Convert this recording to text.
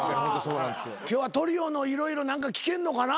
今日はトリオの色々何か聞けんのかな？